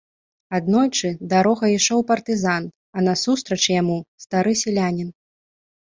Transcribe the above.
Аднойчы дарогай ішоў партызан, а насустрач яму стары селянін.